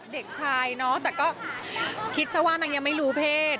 เด็กชายเนาะแต่ก็คิดซะว่านางยังไม่รู้เพศ